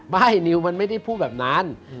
ไอ้นิวมันไม่ได้พูดแบบนั้น